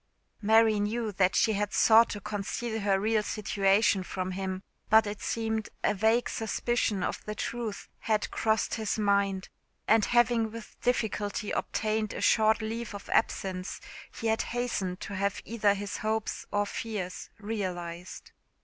Mary knew that she had sought to conceal her real situation from him; but it seemed a vague suspicion of the truth had, crossed his mind, and having with difficulty obtained a short leave of absence he had hastened to have either his hopes or fears realised.